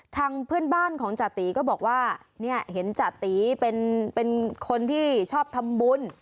ทางเพื่อนบ้านของจติก็บอกว่าเนี่ยเห็นจติเป็นคนที่ชอบทำบุญ